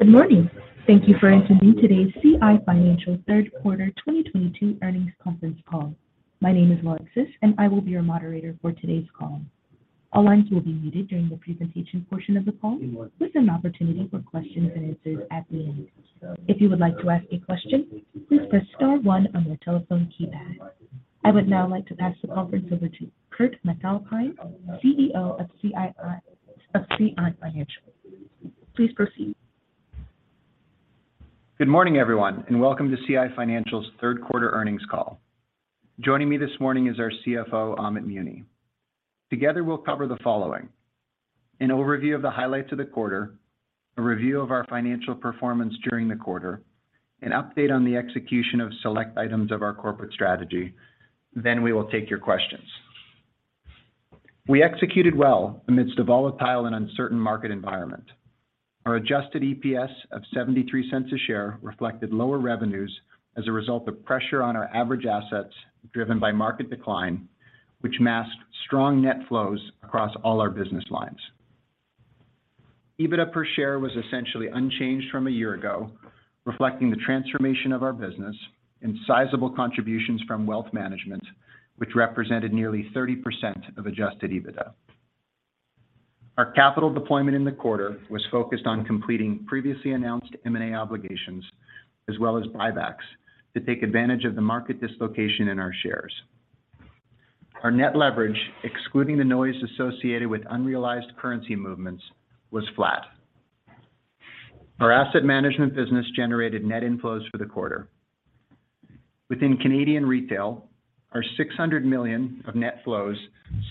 Good morning. Thank you for attending today's CI Financial third quarter 2022 earnings conference call. My name is Alexis, and I will be your moderator for today's call. All lines will be muted during the presentation portion of the call with an opportunity for questions and answers at the end. If you would like to ask a question, please press star one on your telephone keypad. I would now like to pass the conference over to Kurt MacAlpine, CEO of CI Financial. Please proceed. Good morning, everyone, and welcome to CI Financial's third quarter earnings call. Joining me this morning is our CFO, Amit Muni. Together, we'll cover the following. An overview of the highlights of the quarter, a review of our financial performance during the quarter, an update on the execution of select items of our corporate strategy, then we will take your questions. We executed well amidst a volatile and uncertain market environment. Our adjusted EPS of 0.73 a share reflected lower revenues as a result of pressure on our average assets driven by market decline, which masked strong net flows across all our business lines. EBITDA per share was essentially unchanged from a year ago, reflecting the transformation of our business and sizable contributions wealth management, which represented nearly 30% of adjusted EBITDA. Our capital deployment in the quarter was focused on completing previously announced M&A obligations as well as buybacks to take advantage of the market dislocation in our shares. Our net leverage, excluding the noise associated with unrealized currency movements, was flat. Our asset management business generated net inflows for the quarter. Within Canadian retail, our 600 million of net flows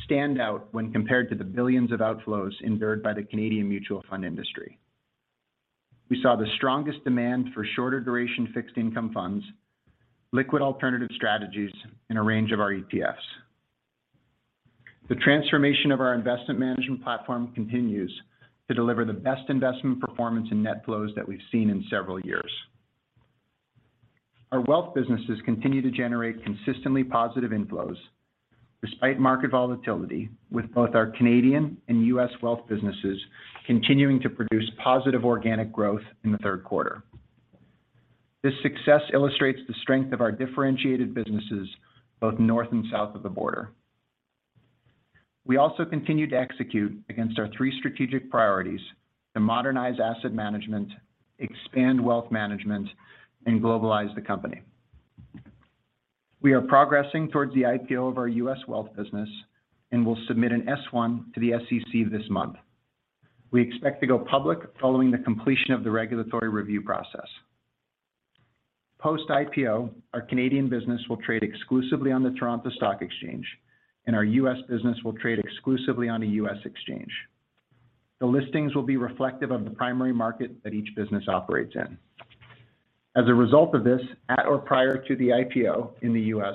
stand out when compared to the billions of outflows endured by the Canadian mutual fund industry. We saw the strongest demand for shorter duration fixed income funds, liquid alternative strategies in a range of our ETFs. The transformation of our investment management platform continues to deliver the best investment performance and net flows that we've seen in several years. Our Wealth businesses continue to generate consistently positive inflows despite market volatility, with both our Canadian and U.S. Wealth businesses continuing to produce positive organic growth in the third quarter. This success illustrates the strength of our differentiated businesses, both north and south of the border. We also continue to execute against our three strategic priorities to modernize asset management, wealth management, and globalize the company. We are progressing towards the IPO of our U.S. Wealth business and will submit an S-1 to the SEC this month. We expect to go public following the completion of the regulatory review process. Post-IPO, our Canadian business will trade exclusively on the Toronto Stock Exchange, and our U.S. business will trade exclusively on a U.S. exchange. The listings will be reflective of the primary market that each business operates in. As a result of this, at or prior to the IPO in the U.S.,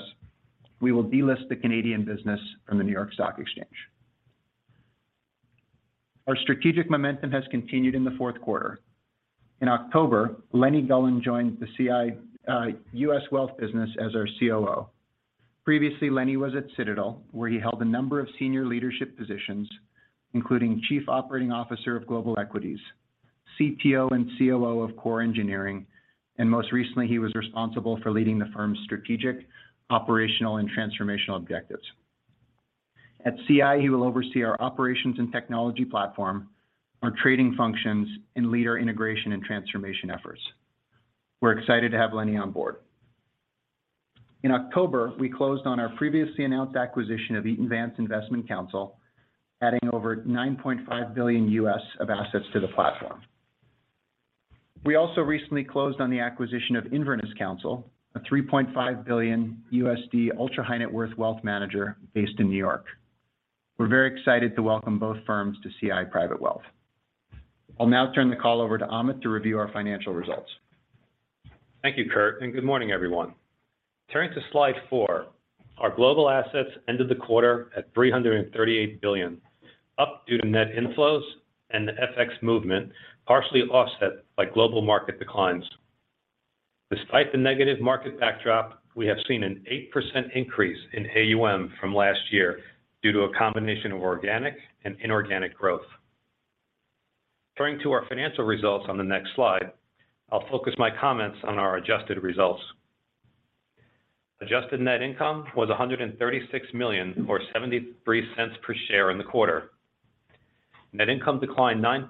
we will delist the Canadian business from the New York Stock Exchange. Our strategic momentum has continued in the fourth quarter. In October, Lennie Gullan joined the CI U.S. Wealth business as our COO. Previously, Lennie was at Citadel, where he held a number of senior leadership positions, including Chief Operating Officer of Global Equities, CTO and COO of Core Engineering, and most recently, he was responsible for leading the firm's strategic, operational, and transformational objectives. At CI, he will oversee our operations and technology platform, our trading functions, and lead our integration and transformation efforts. We're excited to have Lennie on board. In October, we closed on our previously announced acquisition of Eaton Vance Investment Counsel, adding over $9.5 billion of assets to the platform. We also recently closed on the acquisition of Inverness Counsel, a $3.5 billion ultra-high-net-worth Wealth manager based in New York. We're very excited to welcome both firms to CI Private Wealth.I'll now turn the call over to Amit to review our financial results. Thank you, Kurt, and good morning, everyone. Turning to slide four, our global assets ended the quarter at 338 billion, up due to net inflows and the FX movement, partially offset by global market declines. Despite the negative market backdrop, we have seen an 8% increase in AUM from last year due to a combination of organic and inorganic growth. Turning to our financial results on the next slide, I'll focus my comments on our adjusted results. Adjusted net income was 136 million or 0.73 per share in the quarter. Net income declined 9%.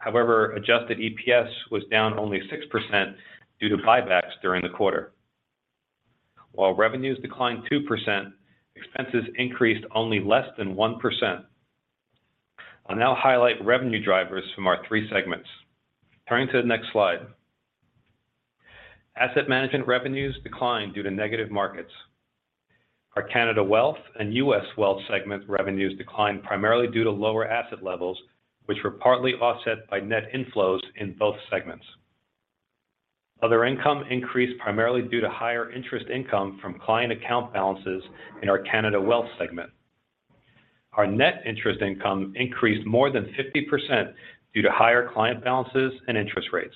However, adjusted EPS was down only 6% due to buybacks during the quarter. While revenues declined 2%, expenses increased only less than 1%. I'll now highlight revenue drivers from our three segments. Turning to the next slide. Asset management revenues declined due to negative markets. Our Canada Wealth and U.S. Wealth segment revenues declined primarily due to lower asset levels, which were partly offset by net inflows in both segments. Other income increased primarily due to higher interest income from client account balances in our Canada Wealth segment. Our net interest income increased more than 50% due to higher client balances and interest rates.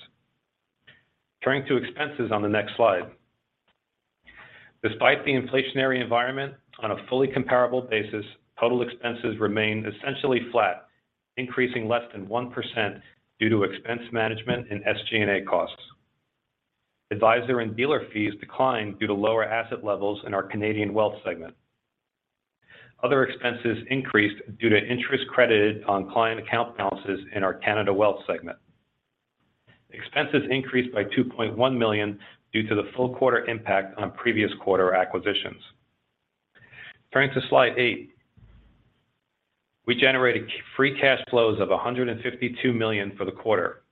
Turning to expenses on the next slide. Despite the inflationary environment, on a fully comparable basis, total expenses remained essentially flat, increasing less than 1% due to expense management and SG&A costs. Advisor and dealer fees declined due to lower asset levels in our Canadian Wealth segment. Other expenses increased due to interest credited on client account balances in our Canada Wealth segment. Expenses increased by 2.1 million due to the full quarter impact on previous quarter acquisitions. Turning to slide eight. We generated free cash flows of 152 million for the quarter.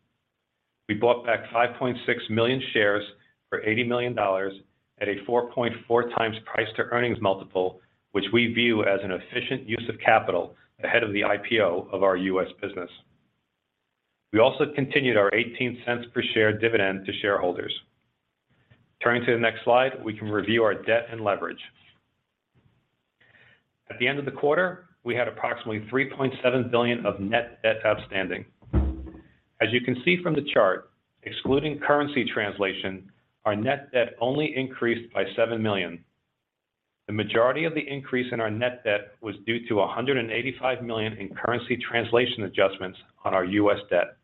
We bought back 5.6 million shares for 80 million dollars at a 4.4x price to earnings multiple, which we view as an efficient use of capital ahead of the IPO of our U.S. business. We also continued our 0.18 per share dividend to shareholders. Turning to the next slide, we can review our debt and leverage. At the end of the quarter, we had approximately 3.7 billion of net debt outstanding. As you can see from the chart, excluding currency translation, our net debt only increased by 7 million. The majority of the increase in our net debt was due to 185 million in currency translation adjustments on our U.S. debt.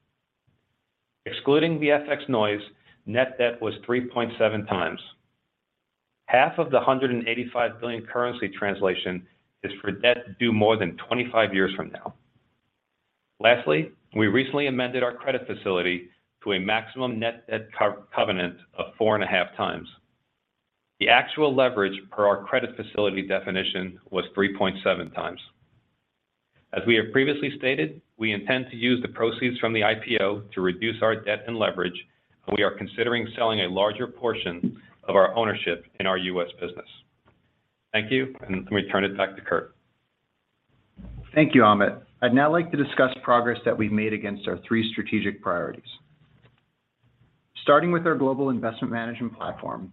Excluding the FX noise, net debt was 3.7x. Half of the 185 million currency translation is for debt due more than 25 years from now. Lastly, we recently amended our credit facility to a maximum net debt covenant of 4.5x. The actual leverage per our credit facility definition was 3.7x. As we have previously stated, we intend to use the proceeds from the IPO to reduce our debt and leverage, and we are considering selling a larger portion of our ownership in our U.S. business. Thank you, and let me turn it back to Kurt. Thank you, Amit. I'd now like to discuss progress that we've made against our three strategic priorities. Starting with our global investment management platform,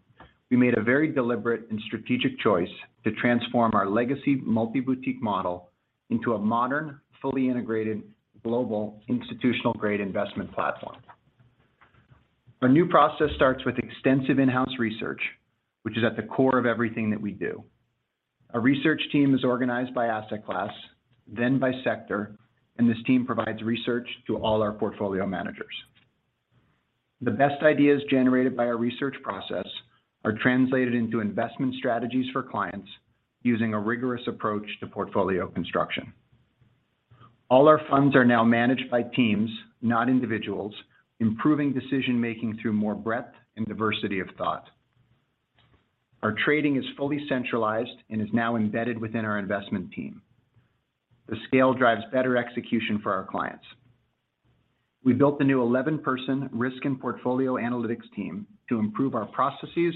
we made a very deliberate and strategic choice to transform our legacy multi-boutique model into a modern, fully integrated, global institutional-grade investment platform. Our new process starts with extensive in-house research, which is at the core of everything that we do. Our research team is organized by asset class, then by sector, and this team provides research to all our portfolio managers. The best ideas generated by our research process are translated into investment strategies for clients using a rigorous approach to portfolio construction. All our funds are now managed by teams, not individuals, improving decision-making through more breadth and diversity of thought. Our trading is fully centralized and is now embedded within our investment team. The scale drives better execution for our clients. We built the new 11-person risk and portfolio analytics team to improve our processes,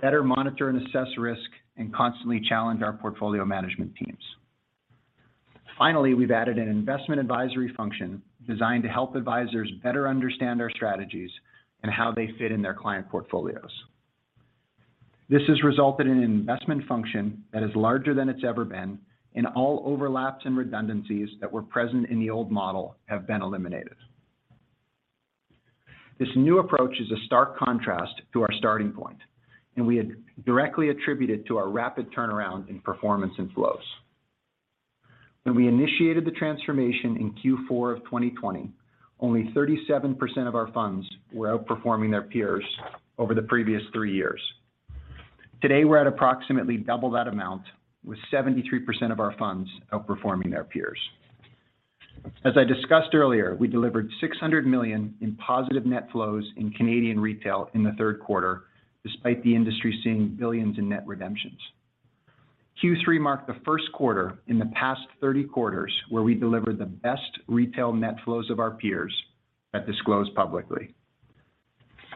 better monitor and assess risk, and constantly challenge our portfolio management teams. Finally, we've added an investment advisory function designed to help advisors better understand our strategies and how they fit in their client portfolios. This has resulted in an investment function that is larger than it's ever been, and all overlaps and redundancies that were present in the old model have been eliminated. This new approach is a stark contrast to our starting point, and we have directly attributed to our rapid turnaround in performance and flows. When we initiated the transformation in Q4 of 2020, only 37% of our funds were outperforming their peers over the previous three years. Today, we're at approximately double that amount, with 73% of our funds outperforming their peers. As I discussed earlier, we delivered 600 million in positive net flows in Canadian retail in the third quarter, despite the industry seeing billions in net redemptions. Q3 marked the first quarter in the past 30 quarters where we delivered the best retail net flows of our peers that disclose publicly.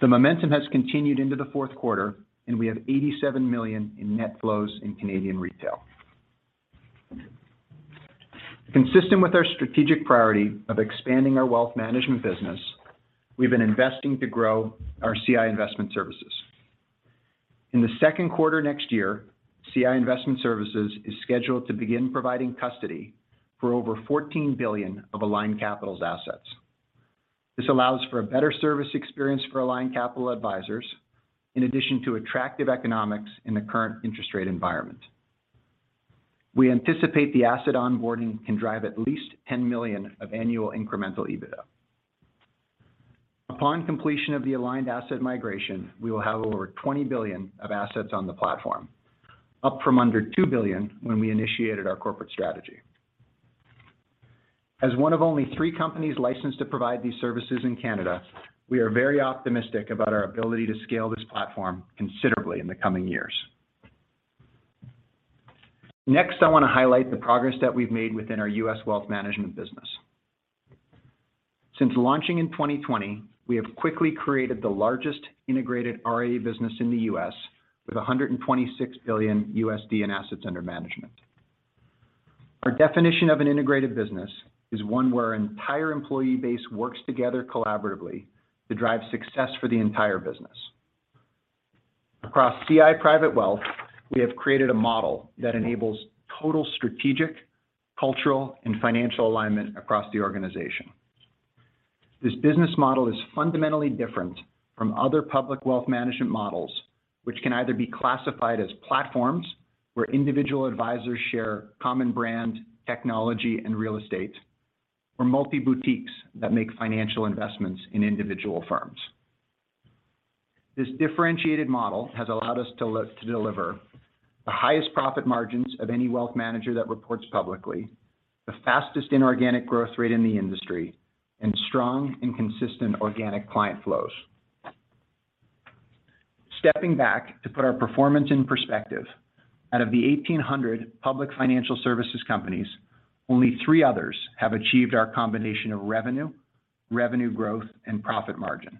The momentum has continued into the fourth quarter, and we have 87 million in net flows in Canadian retail. Consistent with our strategic priority of expanding wealth management business, we've been investing to grow our CI Investment Services. In the second quarter next year, CI Investment Services is scheduled to begin providing custody for over 14 billion of Aligned Capital's assets. This allows for a better service experience for Aligned Capital advisors, in addition to attractive economics in the current interest rate environment. We anticipate the asset onboarding can drive at least 10 million of annual incremental EBITDA. Upon completion of the Aligned asset migration, we will have over 20 billion of assets on the platform, up from under 2 billion when we initiated our corporate strategy. As one of only three companies licensed to provide these services in Canada, we are very optimistic about our ability to scale this platform considerably in the coming years. Next, I want to highlight the progress that we've made within our wealth management business. Since launching in 2020, we have quickly created the largest integrated RIA business in the U.S. with $126 billion in assets under management. Our definition of an integrated business is one where our entire employee base works together collaboratively to drive success for the entire business. Across CI Private Wealth, we have created a model that enables total strategic, cultural, and financial alignment across the organization. This business model is fundamentally different from other wealth management models, which can either be classified as platforms where individual advisors share common brand, technology, and real estate, or multi-boutiques that make financial investments in individual firms. This differentiated model has allowed us to deliver the highest profit margins of any Wealth manager that reports publicly, the fastest inorganic growth rate in the industry, and strong and consistent organic client flows. Stepping back to put our performance in perspective, out of the 1,800 public financial services companies, only three others have achieved our combination of revenue growth, and profit margin.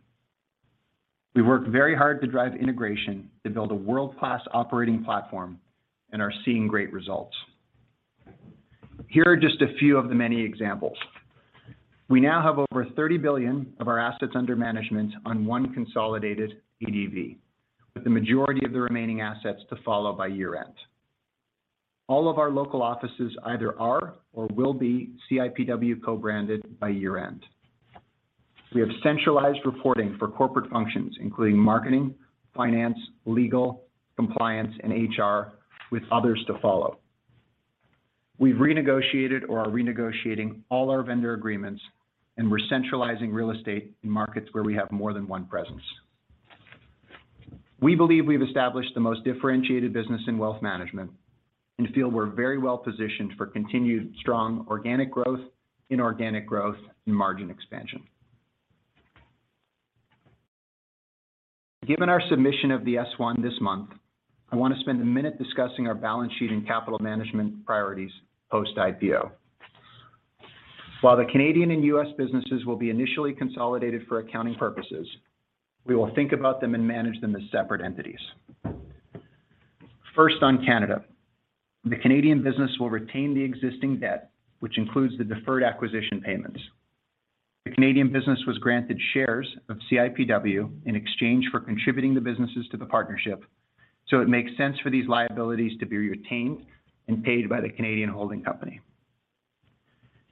We work very hard to drive integration to build a world-class operating platform and are seeing great results. Here are just a few of the many examples. We now have over 30 billion of our assets under management on one consolidated ADV, with the majority of the remaining assets to follow by year-end. All of our local offices either are or will be CIPW co-branded by year-end. We have centralized reporting for corporate functions, including marketing, finance, legal, compliance, and HR, with others to follow. We've renegotiated or are renegotiating all our vendor agreements, and we're centralizing real estate in markets where we have more than one presence. We believe we've established the most differentiated business wealth management and feel we're very well positioned for continued strong organic growth, inorganic growth, and margin expansion. Given our submission of the S-1 this month, I want to spend a minute discussing our balance sheet and capital management priorities post-IPO. While the Canadian and U.S. businesses will be initially consolidated for accounting purposes, we will think about them and manage them as separate entities. First, on Canada. The Canadian business will retain the existing debt, which includes the deferred acquisition payments. The Canadian business was granted shares of CIPW in exchange for contributing the businesses to the partnership, so it makes sense for these liabilities to be retained and paid by the Canadian holding company.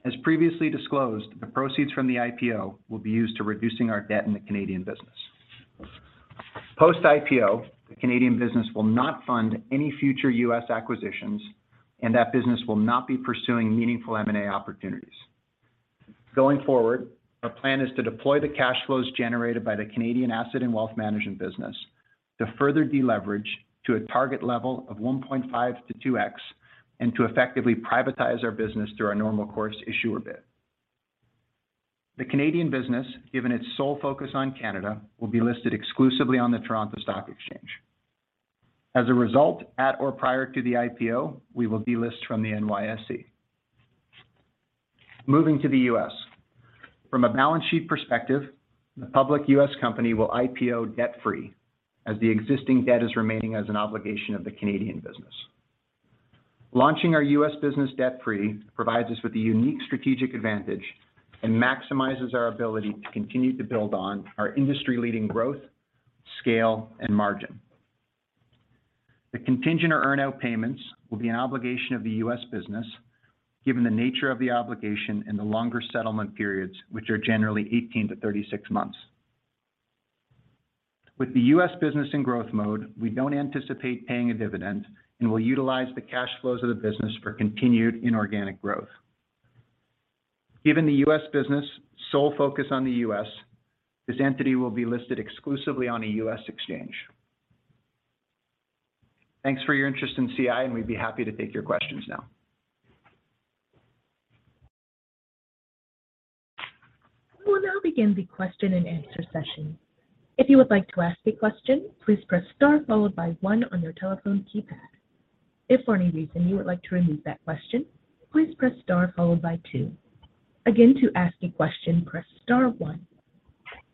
As previously disclosed, the proceeds from the IPO will be used to reducing our debt in the Canadian business. Post-IPO, the Canadian business will not fund any future U.S. acquisitions, and that business will not be pursuing meaningful M&A opportunities. Going forward, our plan is to deploy the cash flows generated by the Canadian asset wealth management business to further de-leverage to a target level of 1.5-2x and to effectively privatize our business through our normal course issuer bid. The Canadian business, given its sole focus on Canada, will be listed exclusively on the Toronto Stock Exchange. As a result, at or prior to the IPO, we will delist from the NYSE. Moving to the U.S. From a balance sheet perspective, the public U.S. company will IPO debt-free as the existing debt is remaining as an obligation of the Canadian business. Launching our U.S. business debt-free provides us with a unique strategic advantage and maximizes our ability to continue to build on our industry-leading growth, scale, and margin. The contingent or earn-out payments will be an obligation of the U.S. business given the nature of the obligation and the longer settlement periods, which are generally 18-36 months. With the U.S. business in growth mode, we don't anticipate paying a dividend and will utilize the cash flows of the business for continued inorganic growth. Given the U.S. business sole focus on the U.S., this entity will be listed exclusively on a U.S. exchange. Thanks for your interest in CI, and we'd be happy to take your questions now. We will now begin the question-and-answer session. If you would like to ask a question, please press star followed by one on your telephone keypad. If for any reason you would like to remove that question, please press star followed by two. Again, to ask a question, press star one.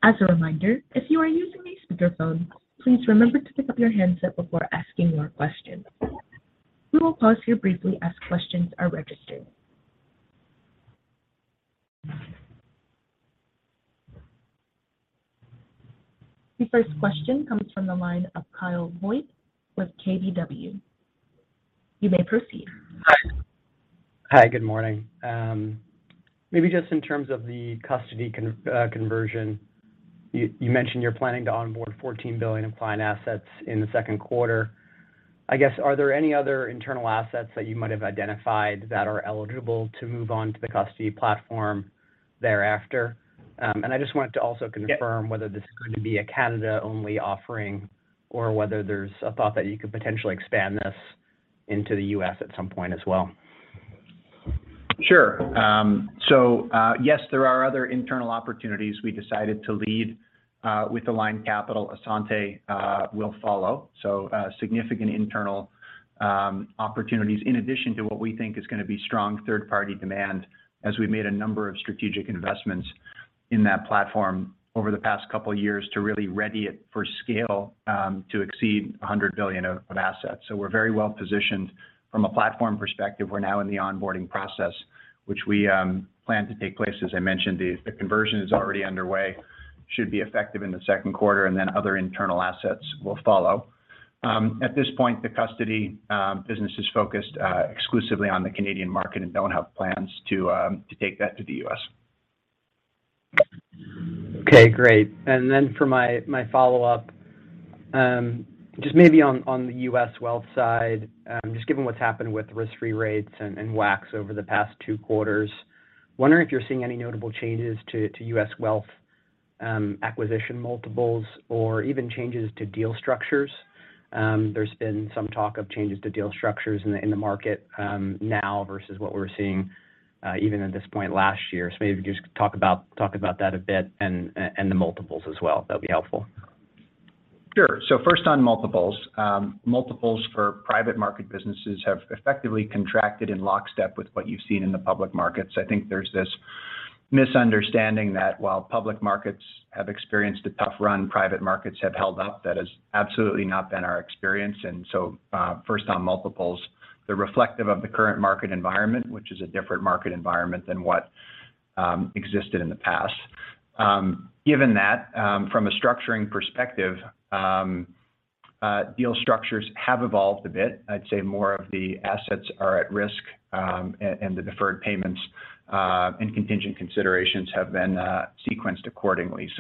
As a reminder, if you are using a speakerphone, please remember to pick up your handset before asking your question. We will pause here briefly as questions are registered. The first question comes from the line of Kyle Voigt with KBW. You may proceed. Hi. Hi, good morning. Maybe just in terms of the custody conversion, you mentioned you're planning to onboard 14 billion of client assets in the second quarter. I guess, are there any other internal assets that you might have identified that are eligible to move on to the custody platform thereafter? I just wanted to also confirm. Yes. Whether this is going to be a Canada-only offering or whether there's a thought that you could potentially expand this into the U.S. at some point as well? Sure. Yes, there are other internal opportunities. We decided to lead with Aligned Capital. Assante will follow. Significant internal opportunities in addition to what we think is going to be strong third-party demand as we made a number of strategic investments in that platform over the past couple years to really ready it for scale to exceed 100 billion of assets. We're very well positioned from a platform perspective. We're now in the onboarding process, which we plan to take place. As I mentioned, the conversion is already underway, should be effective in the second quarter, and then other internal assets will follow. At this point, the custody business is focused exclusively on the Canadian market and don't have plans to take that to the U.S. Okay, great. For my follow-up, just maybe on the U.S. Wealth side, just given what's happened with risk-free rates and WACC over the past two quarters, wondering if you're seeing any notable changes to U.S. Wealth acquisition multiples or even changes to deal structures. There's been some talk of changes to deal structures in the market now versus what we were seeing even at this point last year. Maybe if you could just talk about that a bit and the multiples as well. That'd be helpful. Sure. First on multiples. Multiples for private market businesses have effectively contracted in lockstep with what you've seen in the public markets. I think there's this misunderstanding that while public markets have experienced a tough run, private markets have held up. That has absolutely not been our experience. First on multiples, they're reflective of the current market environment, which is a different market environment than what existed in the past. Given that, from a structuring perspective, deal structures have evolved a bit. I'd say more of the assets are at risk, and the deferred payments and contingent considerations have been sequenced accordingly.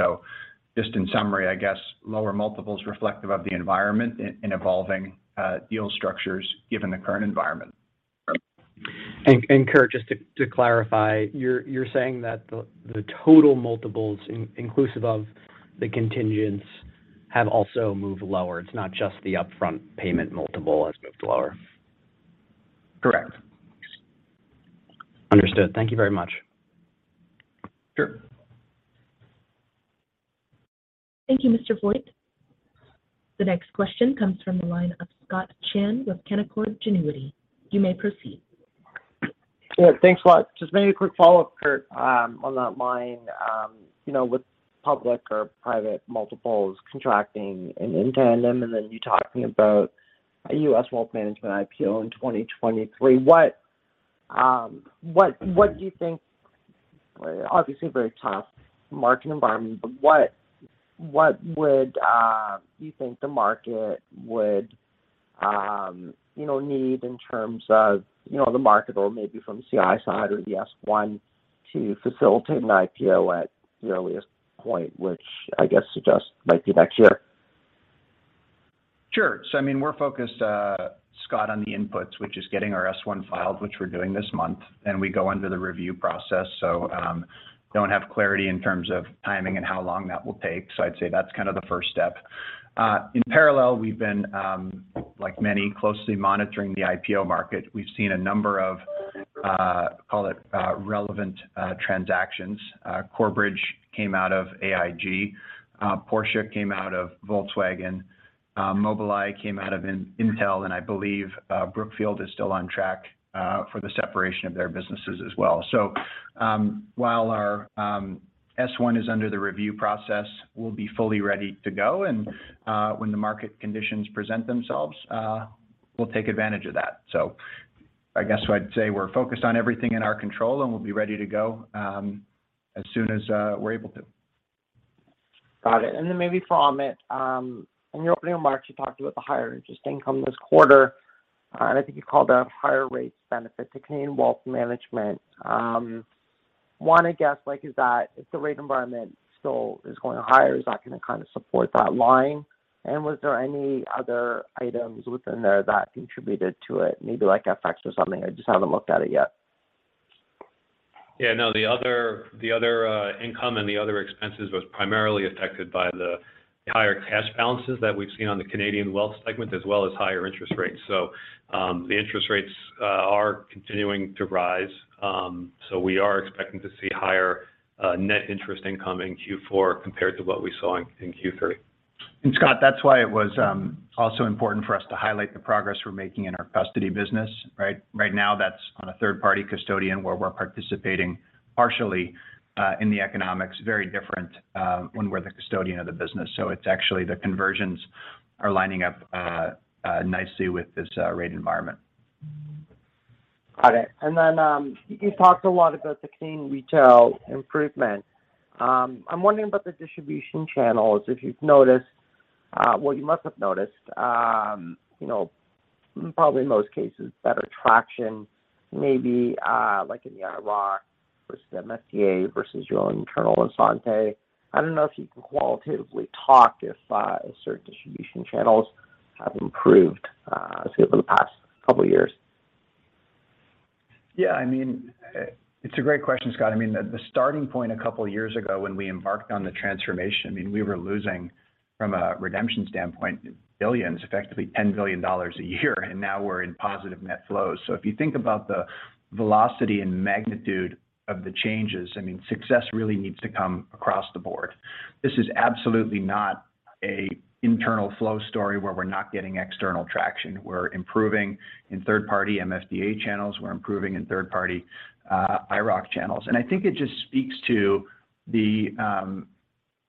Just in summary, I guess, lower multiples reflective of the environment and evolving deal structures given the current environment. Kurt, just to clarify, you're saying that the total multiples inclusive of the contingents have also moved lower? It's not just the upfront payment multiple has moved lower. Correct. Understood. Thank you very much. Sure. Thank you, Mr. Voigt. The next question comes from the line of Scott Chan with Canaccord Genuity. You may proceed. Sure. Thanks a lot. Just maybe a quick follow-up, Kurt, on that line. You know, with public or private multiples contracting in tandem, and then you talking about a wealth management IPO in 2023, what do you think. Obviously a very tough market environment, but what would you think the market would, you know, need in terms of, you know, the marketability from the CI side or the S-1 to facilitate an IPO at the earliest point, which I guess suggests might be next year. Sure. I mean, we're focused, Scott, on the inputs, which is getting our S-1 filed, which we're doing this month, then we go into the review process. We don't have clarity in terms of timing and how long that will take. I'd say that's kind of the first step. In parallel, we've been, like many, closely monitoring the IPO market. We've seen a number of, call it, relevant transactions. Corebridge came out of AIG, Porsche came out of Volkswagen, Mobileye came out of Intel, and I believe, Brookfield is still on track for the separation of their businesses as well. While our S-1 is under the review process, we'll be fully ready to go. When the market conditions present themselves, we'll take advantage of that. I guess I'd say we're focused on everything in our control, and we'll be ready to go, as soon as we're able to. Got it. Maybe from it, in your opening remarks, you talked about the higher interest income this quarter, and I think you called out higher rates benefit to wealth management. Want to guess, like, is that if the rate environment still is going higher, is that going to kind of support that line? Was there any other items within there that contributed to it, maybe like FX or something? I just haven't looked at it yet. The other income and the other expenses was primarily affected by the higher cash balances that we've seen on the Canadian Wealth segment, as well as higher interest rates. The interest rates are continuing to rise. We are expecting to see higher net interest income in Q4 compared to what we saw in Q3. Scott, that's why it was also important for us to highlight the progress we're making in our custody business, right? Right now, that's on a third-party custodian where we're participating partially in the economics, very different when we're the custodian of the business. It's actually the conversions are lining up nicely with this rate environment. Got it. You talked a lot about the Canadian Retail improvement. I'm wondering about the distribution channels, if you've noticed, well, you must have noticed, you know, probably in most cases, better traction maybe, like in the IIROC versus MFDA versus your own internal Assante. I don't know if you can qualitatively talk if certain distribution channels have improved, say over the past couple of years. Yeah, I mean, it's a great question, Scott. I mean, the starting point a couple of years ago when we embarked on the transformation, I mean, we were losing from a redemption standpoint, billions, effectively 10 billion dollars a year, and now we're in positive net flows. If you think about the velocity and magnitude of the changes, I mean, success really needs to come across the board. This is absolutely not a internal flow story where we're not getting external traction. We're improving in third-party MFDA channels. We're improving in third-party IIROC channels. I think it just speaks to the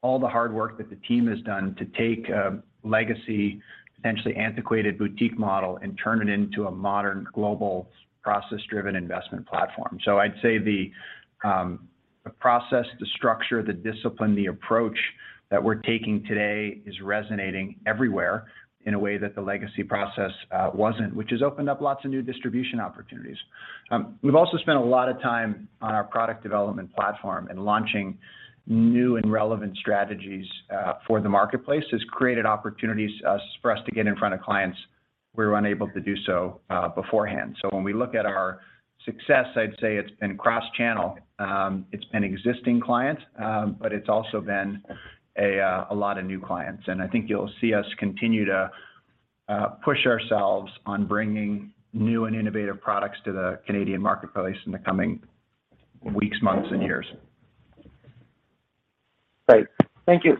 all the hard work that the team has done to take a legacy, potentially antiquated boutique model and turn it into a modern global process-driven investment platform. I'd say the process, the structure, the discipline, the approach that we're taking today is resonating everywhere in a way that the legacy process wasn't, which has opened up lots of new distribution opportunities. We've also spent a lot of time on our product development platform, and launching new and relevant strategies for the marketplace has created opportunities for us to get in front of clients we were unable to do so beforehand. When we look at our success, I'd say it's been cross-channel. It's been existing clients, but it's also been a lot of new clients. I think you'll see us continue to push ourselves on bringing new and innovative products to the Canadian marketplace in the coming weeks, months, and years. Great. Thank you.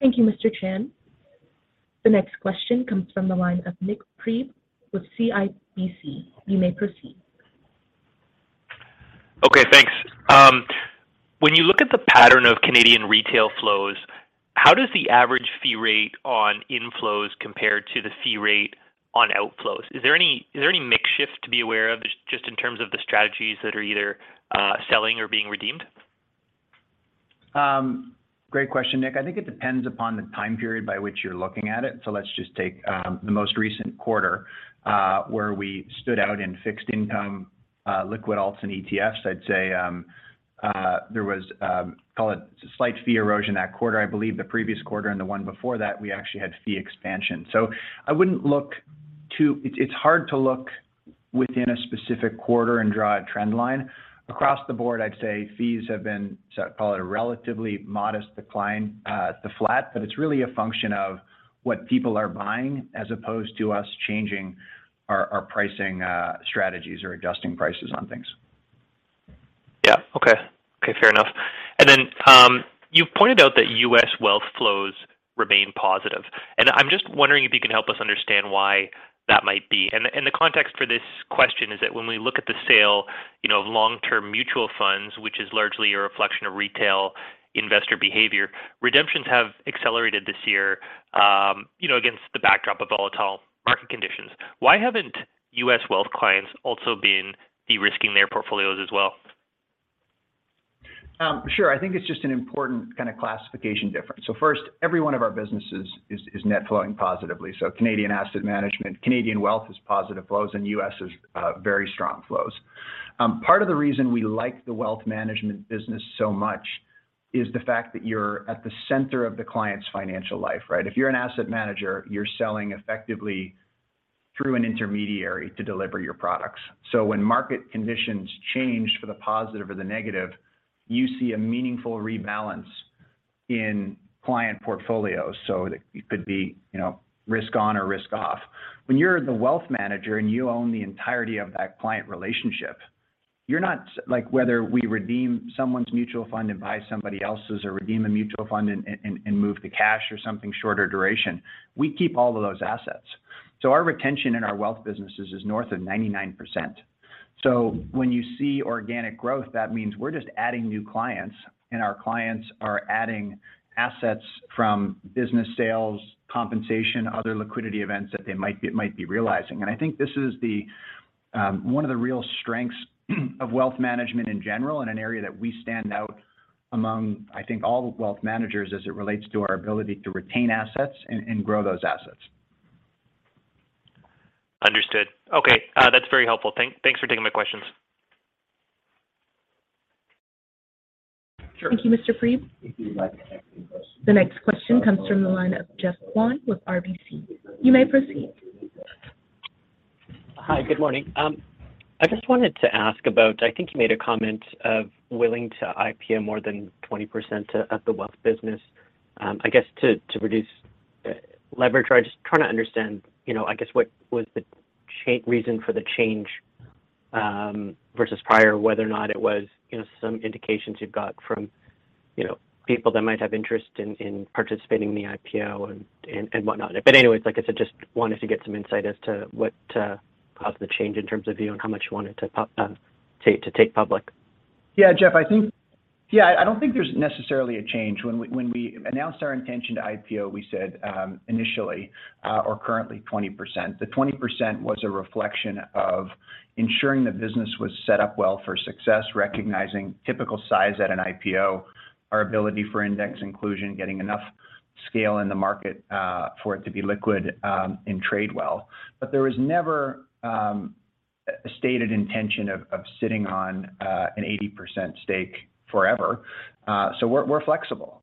Thank you, Mr. Chan. The next question comes from the line of Nik Priebe with CIBC. You may proceed. Okay, thanks. When you look at the pattern of Canadian retail flows, how does the average fee rate on inflows compare to the fee rate on outflows? Is there any mix shift to be aware of just in terms of the strategies that are either selling or being redeemed? Great question, Nik. I think it depends upon the time period by which you're looking at it. Let's just take the most recent quarter, where we stood out in fixed income, liquid alts and ETFs. I'd say there was, call it slight fee erosion that quarter. I believe the previous quarter and the one before that, we actually had fee expansion. It's hard to look within a specific quarter and draw a trend line. Across the board, I'd say fees have been, say, call it a relatively modest decline to flat, but it's really a function of what people are buying as opposed to us changing our pricing strategies or adjusting prices on things. Yeah. Okay. Fair enough. You've pointed out that U.S. Wealth flows remain positive. I'm just wondering if you can help us understand why that might be. The context for this question is that when we look at the sale, you know, of long-term mutual funds, which is largely a reflection of retail investor behavior, redemptions have accelerated this year, you know, against the backdrop of volatile market conditions. Why haven't U.S. Wealth clients also been de-risking their portfolios as well? Sure. I think it's just an important kind of classification difference. First, every one of our businesses is net flowing positively. Canadian asset management, Canadian Wealth is positive flows, and U.S. is very strong flows. Part of the reason we like wealth management business so much is the fact that you're at the center of the client's financial life, right? If you're an asset manager, you're selling effectively through an intermediary to deliver your products. When market conditions change for the positive or the negative, you see a meaningful rebalance in client portfolios. It could be, you know, risk on or risk off. When you're the wealth manager and you own the entirety of that client relationship, you're not... Like, whether we redeem someone's mutual fund and buy somebody else's or redeem a mutual fund and move the cash or something shorter duration, we keep all of those assets. Our retention in our Wealth businesses is north of 99%. When you see organic growth, that means we're just adding new clients, and our clients are adding assets from business sales, compensation, other liquidity events that they might be realizing. I think this is the one of the real strengths wealth management in general, and an area that we stand out among, I think all wealth managers as it relates to our ability to retain assets and grow those assets. Understood. Okay. That's very helpful. Thanks for taking my questions. Sure. Thank you, Mr. Priebe. The next question comes from the line of Geoff Kwan with RBC. You may proceed. Hi, good morning. I just wanted to ask about. I think you made a comment of willing to IPO more than 20% of the Wealth business, I guess to reduce leverage. I was just trying to understand, you know, I guess what was the reason for the change versus prior, whether or not it was, you know, some indications you've got from, you know, people that might have interest in participating in the IPO and whatnot. Anyways, like I said, just wanted to get some insight as to what caused the change in terms of you and how much you wanted to take public. Yeah, Geoff, I think. Yeah, I don't think there's necessarily a change. When we announced our intention to IPO, we said initially or currently 20%. The 20% was a reflection of ensuring the business was set up well for success, recognizing typical size at an IPO, our ability for index inclusion, getting enough scale in the market for it to be liquid and trade well. But there was never a stated intention of sitting on an 80% stake forever. So we're flexible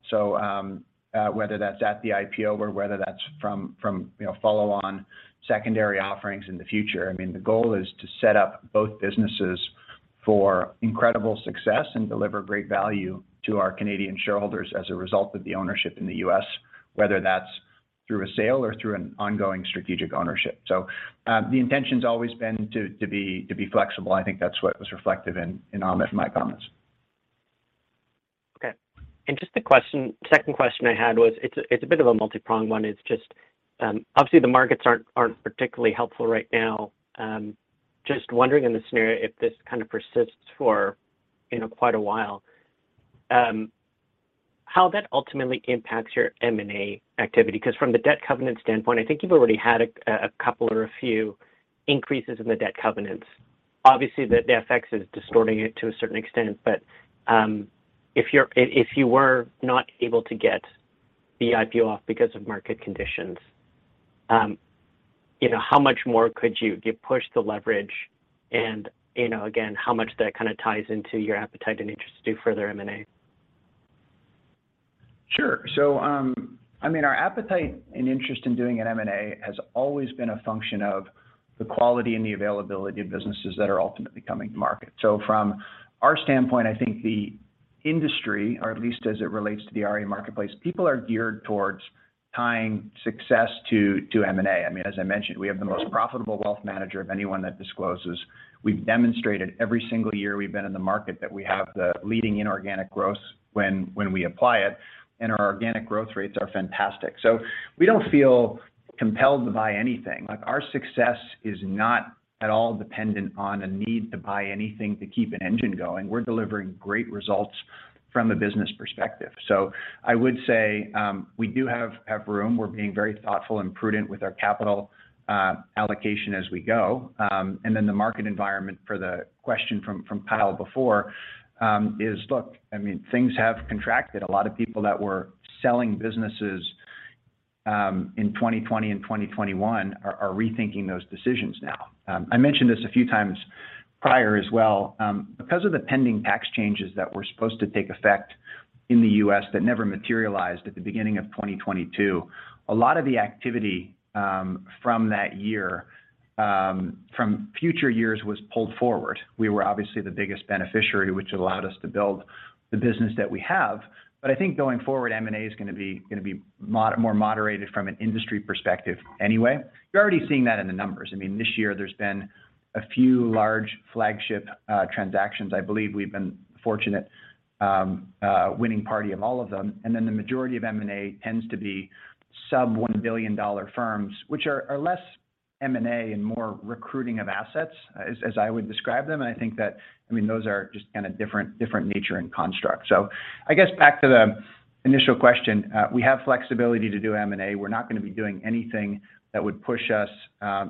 whether that's at the IPO or whether that's from you know follow-on secondary offerings in the future, I mean, the goal is to set up both businesses for incredible success and deliver great value to our Canadian shareholders as a result of the ownership in the U.S., whether that's through a sale or through an ongoing strategic ownership. The intention's always been to be flexible. I think that's what was reflected in Amit and my comments. Okay. Just a question, second question I had was, it's a bit of a multi-pronged one. It's just, obviously the markets aren't particularly helpful right now. Just wondering in this scenario, if this kind of persists for, you know, quite a while, how that ultimately impacts your M&A activity? Because from the debt covenant standpoint, I think you've already had a couple or a few increases in the debt covenants. Obviously, the FX is distorting it to a certain extent. If you were not able to get the IPO off because of market conditions, you know, how much more could you push the leverage? And, you know, again, how much that kind of ties into your appetite and interest to do further M&A. Sure. I mean, our appetite and interest in doing an M&A has always been a function of the quality and the availability of businesses that are ultimately coming to market. From our standpoint, I think the industry, or at least as it relates to the RIA marketplace, people are geared towards tying success to M&A. I mean, as I mentioned, we have the most profitable wealth manager of anyone that discloses. We've demonstrated every single year we've been in the market that we have the leading inorganic growth when we apply it, and our organic growth rates are fantastic. We don't feel compelled to buy anything. Like, our success is not at all dependent on a need to buy anything to keep an engine going. We're delivering great results from a business perspective. I would say, we do have room. We're being very thoughtful and prudent with our capital allocation as we go. The market environment for the question from Kyle before is, look, I mean, things have contracted. A lot of people that were selling businesses in 2020 and 2021 are rethinking those decisions now. I mentioned this a few times prior as well. Because of the pending tax changes that were supposed to take effect in the U.S. that never materialized at the beginning of 2022, a lot of the activity from that year from future years was pulled forward. We were obviously the biggest beneficiary, which allowed us to build the business that we have. I think going forward, M&A is going to be more moderated from an industry perspective anyway. You're already seeing that in the numbers. I mean, this year there's been a few large flagship transactions. I believe we've been fortunate winning party of all of them. Then the majority of M&A tends to be sub-$1 billion firms, which are less M&A and more recruiting of assets, as I would describe them. I think that I mean, those are just kinda different nature and construct. I guess back to the initial question, we have flexibility to do M&A. We're not going to be doing anything that would push us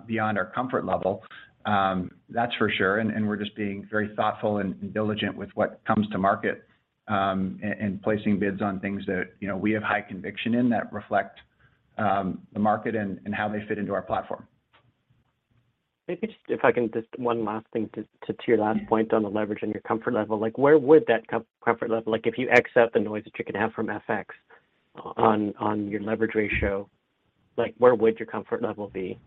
beyond our comfort level, that's for sure. We're just being very thoughtful and diligent with what comes to market, and placing bids on things that, you know, we have high conviction in that reflect the market and how they fit into our platform. Maybe just if I can just one last thing to your last point on the leverage and your comfort level. Like, where would that comfort level, like if you X up the noise that you can have from FX on your leverage ratio, like where would your comfort level be?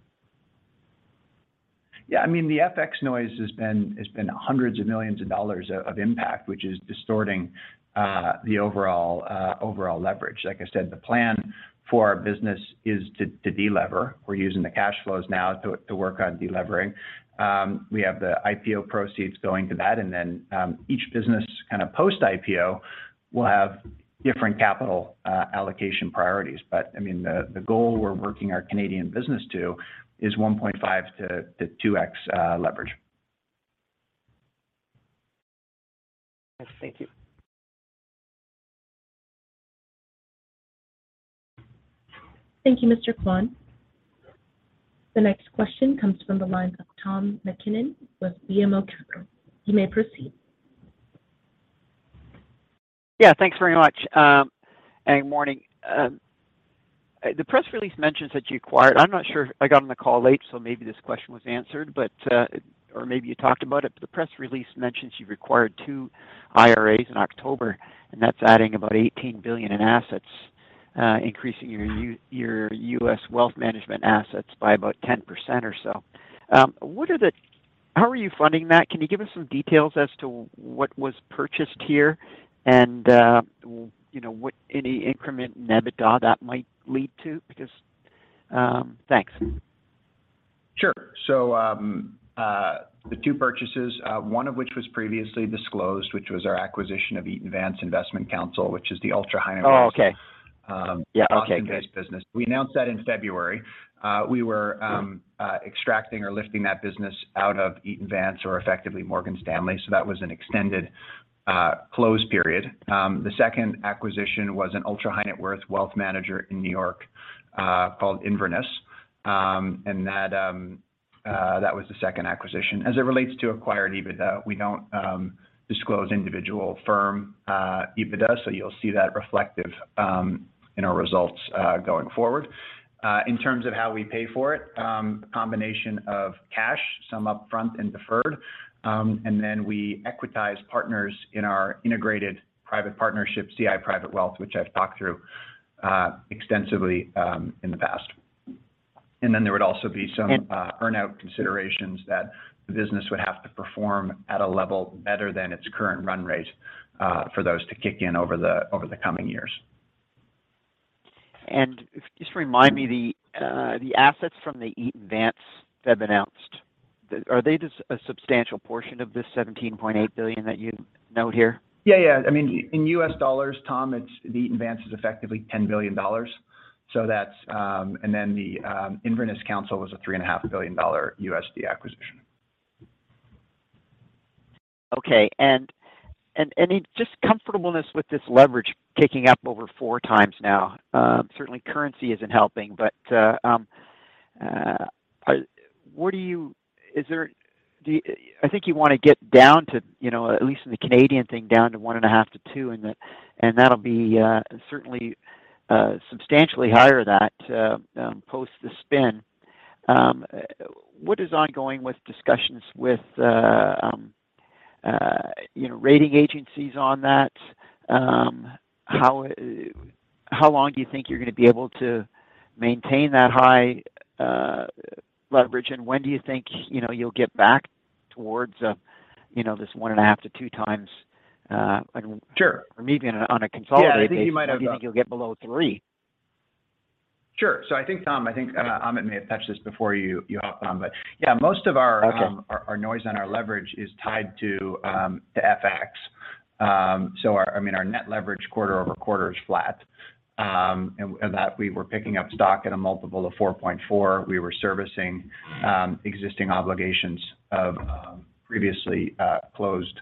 Yeah, I mean, the FX noise has been hundreds of millions of dollars of impact, which is distorting the overall leverage. Like I said, the plan for our business is to de-lever. We're using the cash flows now to work on de-levering. We have the IPO proceeds going to that, and then each business kind of post-IPO will have different capital allocation priorities. I mean, the goal we're working our Canadian business to is 1.5-2x leverage. Thank you. Thank you, Mr. Kwan. The next question comes from the lines of Tom MacKinnon with BMO Capital. You may proceed. Yeah, thanks very much and morning. The press release mentions that you acquired. I'm not sure, I got on the call late, so maybe this question was answered, but, or maybe you talked about it, but the press release mentions you acquired two RIAs in October, and that's adding about $18 billion in assets, increasing your wealth management assets by about 10% or so. How are you funding that? Can you give us some details as to what was purchased here and, you know, what any increment in EBITDA that might lead to? Because. Thanks. Sure. The two purchases, one of which was previously disclosed, which was our acquisition of Eaton Vance Investment Counsel, which is the ultra-high-net-worth- Oh, okay.... um- Yeah, okay. Great.... Boston-based business. We announced that in February. We were extracting or lifting that business out of Eaton Vance or effectively Morgan Stanley. That was an extended closing period. The second acquisition was an ultra-high-net-worth wealth manager in New York called Inverness Counsel. That was the second acquisition. As it relates to acquired EBITDA, we don't disclose individual firm EBITDA, so you'll see that reflected in our results going forward. In terms of how we pay for it, combination of cash, some upfront and deferred, and then we equitize partners in our integrated private partnership, CI Private Wealth, which I've talked through extensively in the past. There would also be some earn-out considerations that the business would have to perform at a level better than its current run rate for those to kick in over the coming years. Just remind me the assets from the Eaton Vance that have announced, are they just a substantial portion of this 17.8 billion that you note here? Yeah. I mean, in U.S. dollars, Tom, it's the Eaton Vance is effectively $10 billion. That's. Then the Inverness Counsel was a $3.5 billion acquisition. Okay. In just comfortableness with this leverage kicking up over 4x now, certainly currency isn't helping, but I think you wanna get down to, you know, at least in the Canadian thing, down to 1.5-2x, and that'll be certainly substantially higher than post the spin. What is ongoing with discussions with, you know, rating agencies on that? How long do you think you're going to be able to maintain that high leverage? And when do you think, you know, you'll get back towards, you know, this 1.5-2x, like- Sure... maybe on a consolidated- Yeah. I think you might have- When do you think you'll get below three? ... Sure. I think, Tom, and Amit may have touched this before you hopped on. Yeah, most of our- Okay.... our noise on our leverage is tied to FX. I mean, our net leverage quarter-over-quarter is flat. That we were picking up stock at a multiple of 4.4x. We were servicing existing obligations of previously closed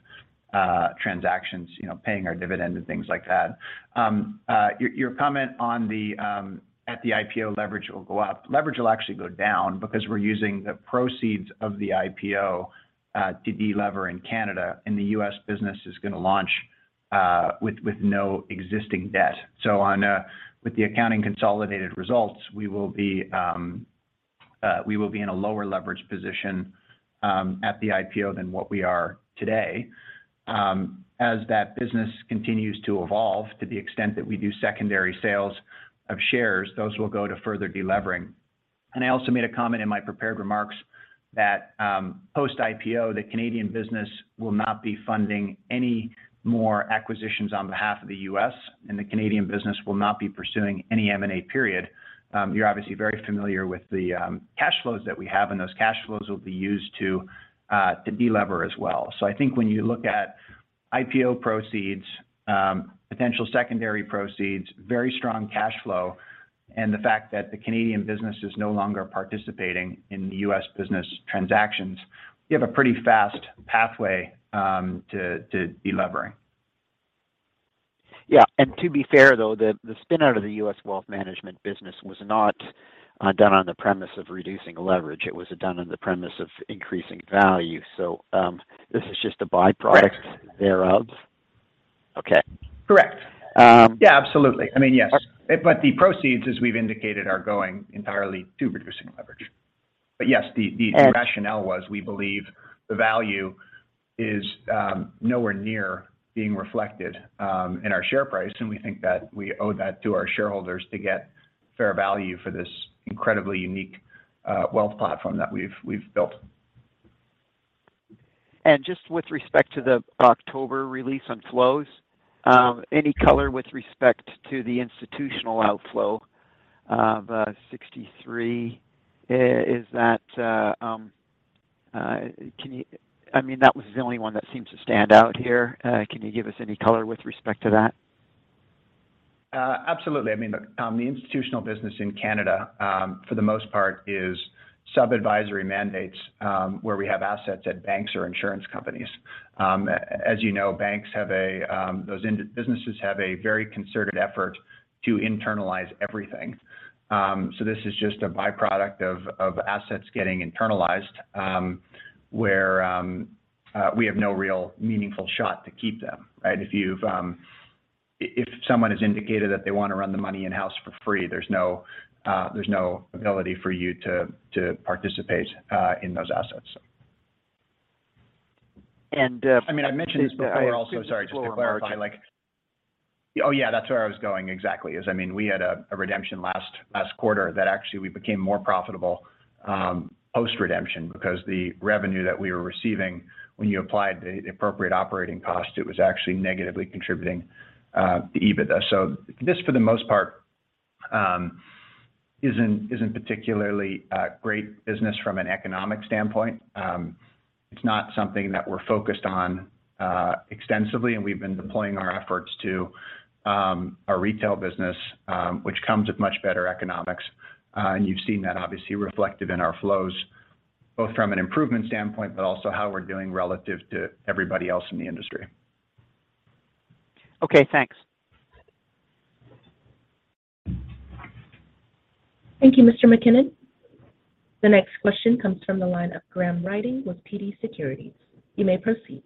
transactions, you know, paying our dividend and things like that. Your comment on the IPO leverage will go up. Leverage will actually go down because we're using the proceeds of the IPO to de-lever in Canada, and the U.S. business is going to launch with no existing debt. With the accounting consolidated results, we will be in a lower leverage position at the IPO than what we are today. As that business continues to evolve, to the extent that we do secondary sales of shares, those will go to further de-levering. I also made a comment in my prepared remarks that, post-IPO, the Canadian business will not be funding any more acquisitions on behalf of the U.S., and the Canadian business will not be pursuing any M&A period. You're obviously very familiar with the cash flows that we have, and those cash flows will be used to de-lever as well. I think when you look at IPO proceeds, potential secondary proceeds, very strong cash flow, and the fact that the Canadian business is no longer participating in the U.S. business transactions, we have a pretty fast pathway to de-levering. Yeah. To be fair though, the spin out of the wealth management business was not done on the premise of reducing leverage. It was done on the premise of increasing value. So, this is just a byproduct thereof. Okay. Correct. Um- Yeah, absolutely. I mean, yes. All right. The proceeds, as we've indicated, are going entirely to reducing leverage. And- Rationale was we believe the value is nowhere near being reflected in our share price, and we think that we owe that to our shareholders to get fair value for this incredibly unique Wealth platform that we've built. Just with respect to the October release on flows, any color with respect to the institutional outflow of 63. Is that, I mean, that was the only one that seems to stand out here. Can you give us any color with respect to that? Absolutely. I mean, look, the institutional business in Canada, for the most part is sub-advisory mandates, where we have assets at banks or insurance companies. As you know, those businesses have a very concerted effort to internalize everything. This is just a byproduct of assets getting internalized, where we have no real meaningful shot to keep them, right? If someone has indicated that they wanna run the money in-house for free, there's no ability for you to participate in those assets. And you mentioned it before- I mean, I mentioned this before also. Sorry, just to clarify. Like, oh, yeah, that's where I was going exactly. I mean, we had a redemption last quarter that actually we became more profitable post-redemption because the revenue that we were receiving when you applied the appropriate operating cost, it was actually negatively contributing to EBITDA. This, for the most part, isn't particularly a great business from an economic standpoint. It's not something that we're focused on extensively, and we've been deploying our efforts to our retail business, which comes with much better economics. You've seen that obviously reflected in our flows, both from an improvement standpoint, but also how we're doing relative to everybody else in the industry. Okay, thanks. Thank you, Mr. MacKinnon. The next question comes from the line of Graham Ryding with TD Securities. You may proceed.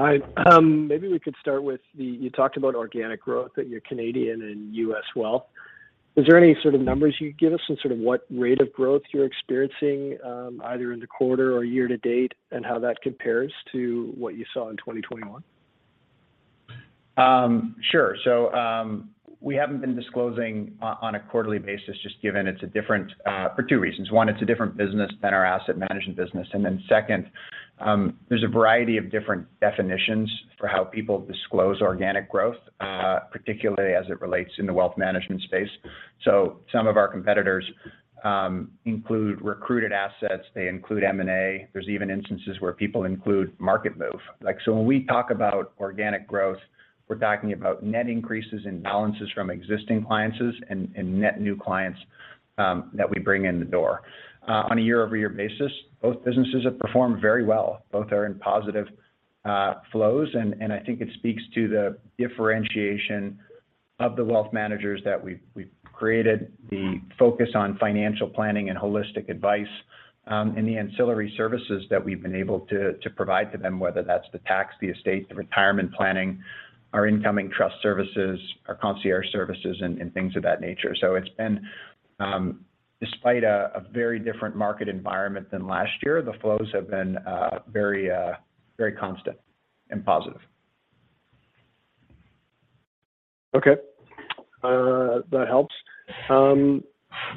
Hi. Maybe we could start with you talked about organic growth at your Canadian and U.S. Wealth. Is there any sort of numbers you could give us on sort of what rate of growth you're experiencing, either in the quarter or year to date, and how that compares to what you saw in 2021? Sure. We haven't been disclosing on a quarterly basis just given it's a different, for two reasons. One, it's a different business than our asset management business. Second, there's a variety of different definitions for how people disclose organic growth, particularly as it relates to wealth management space. Some of our competitors include recruited assets. They include M&A. There's even instances where people include market moves. Like, so when we talk about organic growth, we're talking about net increases in balances from existing clients and net new clients that we bring in the door. On a year-over-year basis, both businesses have performed very well. Both are in positive flows. I think it speaks to the differentiation of the wealth managers that we've created the focus on financial planning and holistic advice, and the ancillary services that we've been able to provide to them, whether that's the tax, the estate, the retirement planning, our incoming trust services, our concierge services, and things of that nature. It's been, despite a very different market environment than last year, the flows have been very constant and positive. Okay. That helps.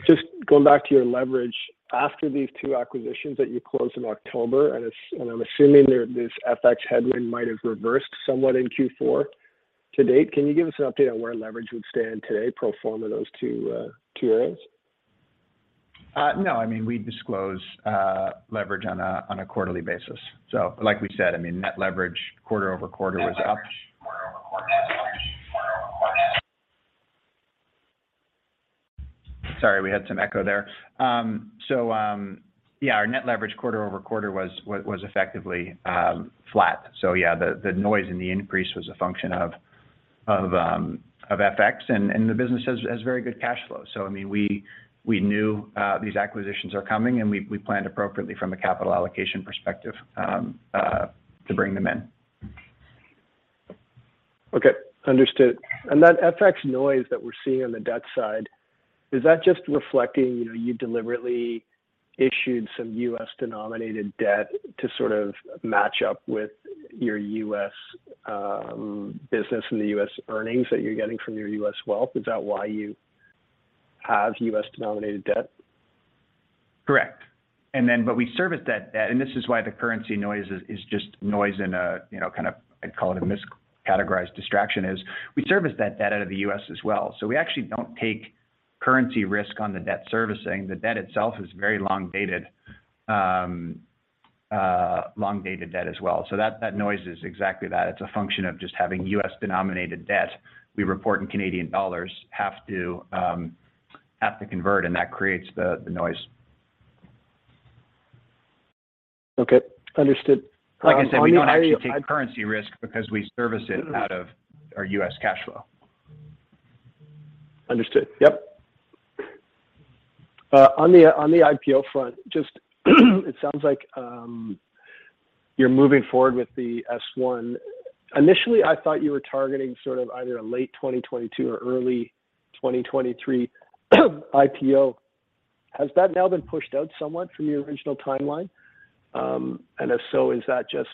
Just going back to your leverage. After these two acquisitions that you closed in October, and I'm assuming there, this FX headwind might have reversed somewhat in Q4 to date. Can you give us an update on where leverage would stand today pro forma those two areas? No. I mean, we disclose leverage on a quarterly basis. Like we said, I mean, net leverage quarter-over-quarter was up. Sorry, we had some echo there. Our net leverage quarter-over-quarter was effectively flat. The noise in the increase was a function of FX and the business has very good cash flow. I mean, we knew these acquisitions are coming and we planned appropriately from a capital allocation perspective to bring them in. Okay, understood. That FX noise that we're seeing on the debt side, is that just reflecting, you know, you deliberately issued some U.S. denominated debt to sort of match up with your U.S. business and the U.S. earnings that you're getting from your U.S. Wealth? Is that why you have U.S. denominated debt? Correct. We service that debt, and this is why the currency noise is just noise in a, you know, kind of, I'd call it a miscategorized distraction, we service that debt out of the U.S. as well. We actually don't take currency risk on the debt servicing. The debt itself is very long-dated debt as well. That noise is exactly that. It's a function of just having U.S. denominated debt. We report in Canadian dollars, have to convert, and that creates the noise. Okay, understood. On your- Like I said, we don't actually take currency risk because we service it out of our U.S. cash flow. Understood. Yep. On the IPO front, just it sounds like you're moving forward with the S-1. Initially, I thought you were targeting sort of either a late 2022 or early 2023 IPO. Has that now been pushed out somewhat from your original timeline? If so, is that just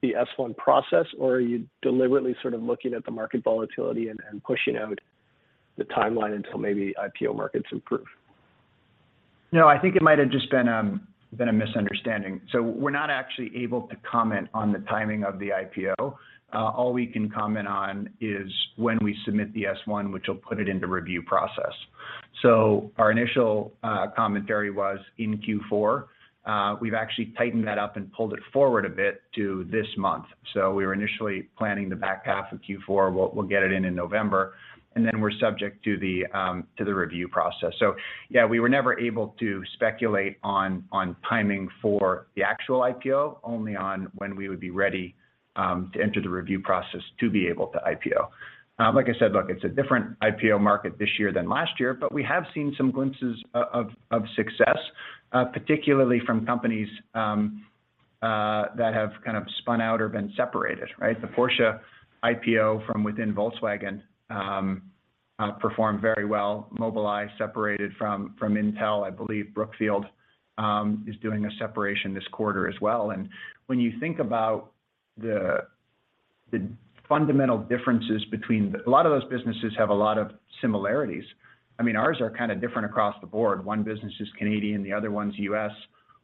the S-1 process, or are you deliberately sort of looking at the market volatility and pushing out the timeline until maybe IPO markets improve? No, I think it might have just been a misunderstanding. We're not actually able to comment on the timing of the IPO. All we can comment on is when we submit the S-1, which will put it into review process. Our initial commentary was in Q4. We've actually tightened that up and pulled it forward a bit to this month. We were initially planning the back half of Q4. We'll get it in in November, and then we're subject to the review process. We were never able to speculate on timing for the actual IPO, only on when we would be ready to enter the review process to be able to IPO. Like I said, look, it's a different IPO market this year than last year, but we have seen some glimpses of success, particularly from companies that have kind of spun out or been separated, right? The Porsche IPO from within Volkswagen performed very well. Mobileye separated from Intel. I believe Brookfield is doing a separation this quarter as well. When you think about the fundamental differences between. A lot of those businesses have a lot of similarities. I mean, ours are kind of different across the board. One business is Canadian, the other one's U.S.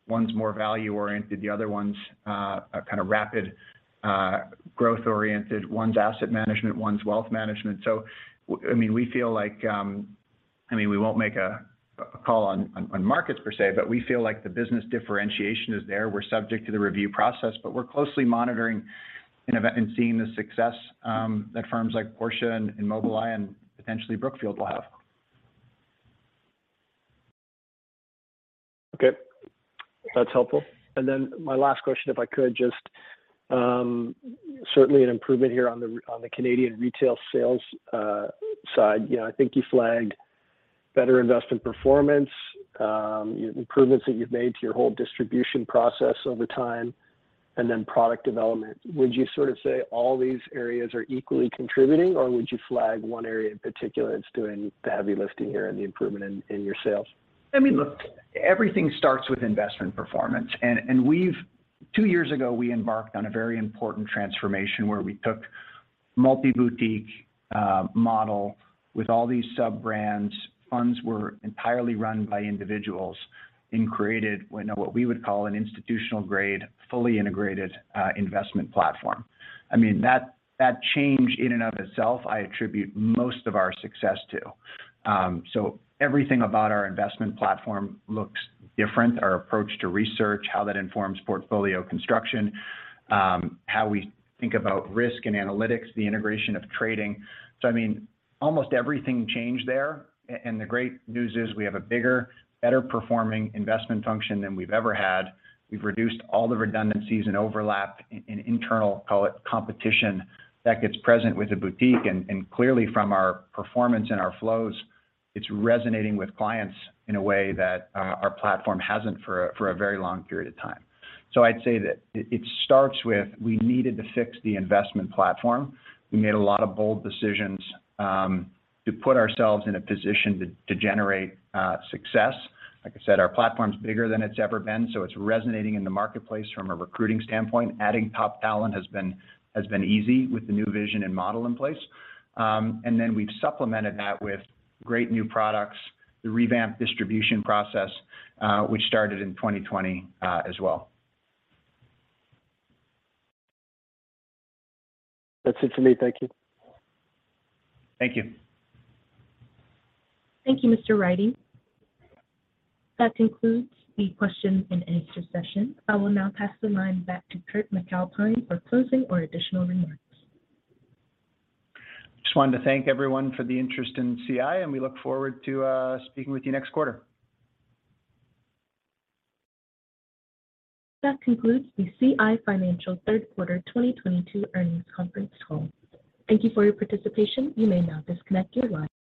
One's more value-oriented, the other one's a kinda rapid growth-oriented. One's Asset Management, wealth management. I mean, we feel like. I mean, we won't make a call on markets per se, but we feel like the business differentiation is there. We're subject to the review process, but we're closely monitoring and seeing the success that firms like Porsche and Mobileye and potentially Brookfield will have. Okay. That's helpful. My last question, if I could just, certainly an improvement here on the Canadian retail sales side. You know, I think you flagged better investment performance, improvements that you've made to your whole distribution process over time, and then product development. Would you sort of say all these areas are equally contributing, or would you flag one area in particular that's doing the heavy lifting here and the improvement in your sales? I mean, look, everything starts with investment performance. Two years ago, we embarked on a very important transformation where we took multi-boutique model with all these sub-brands. Funds were entirely run by individuals and created what, you know, what we would call an institutional grade, fully integrated investment platform. I mean, that change in and of itself, I attribute most of our success to. Everything about our investment platform looks different. Our approach to research, how that informs portfolio construction, how we think about risk and analytics, the integration of trading. I mean, almost everything changed there. The great news is we have a bigger, better performing investment function than we've ever had. We've reduced all the redundancies and overlap in internal, call it, competition that is present with a boutique. Clearly from our performance and our flows, it's resonating with clients in a way that our platform hasn't for a very long period of time. I'd say that it starts with we needed to fix the investment platform. We made a lot of bold decisions to put ourselves in a position to generate success. Like I said, our platform's bigger than it's ever been, so it's resonating in the marketplace from a recruiting standpoint. Adding top talent has been easy with the new vision and model in place. We've supplemented that with great new products, the revamped distribution process, which started in 2020, as well. That's it for me. Thank you. Thank you. Thank you, Mr. Ryding. That concludes the question-and-answer session. I will now pass the line back to Kurt MacAlpine for closing or additional remarks. Just wanted to thank everyone for the interest in CI, and we look forward to speaking with you next quarter. That concludes the CI Financial third quarter 2022 earnings conference call. Thank you for your participation. You may now disconnect your line.